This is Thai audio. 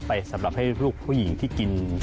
สำหรับให้ลูกผู้หญิงที่กิน